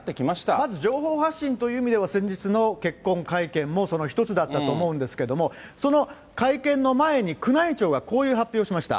まず情報発信という意味では、先日の結婚会見も、その一つだったと思うんですけれども、その会見の前に、宮内庁がこういう発表をしました。